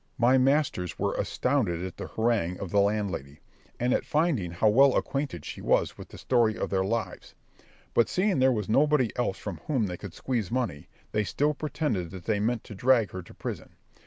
My masters were astounded at the harangue of the landlady, and at finding how well acquainted she was with the story of their lives; but seeing there was nobody else from whom they could squeeze money, they still pretended that they meant to drag her to prison.